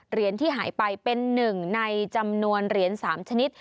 เหรียญที่หายไปเป็นหนึ่งในจำนวนเหรียญ๓ชนิด